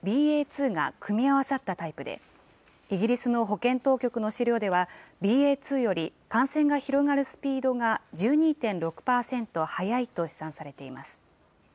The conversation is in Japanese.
．２が組み合わさったタイプで、イギリスの保健当局の資料では、ＢＡ．２より感染が広がるスピードが１２．６％速いと試算されています。